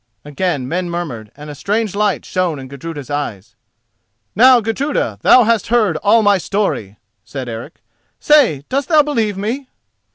Again men murmured, and a strange light shone in Gudruda's eyes. "Now, Gudruda, thou hast heard all my story," said Eric. "Say, dost thou believe me?"